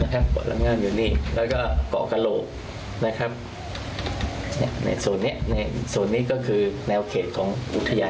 เกาะหลักงามอยู่นี่แล้วก็เกาะกระโหลส่วนนี้ก็คือแนวเขตของอุทยาน